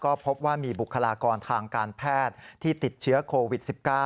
ก็พบว่ามีบุคลากรทางการแพทย์ที่ติดเชื้อโควิด๑๙